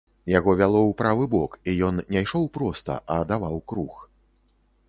Яго вяло ў правы бок, і ён не ішоў проста, а даваў круг.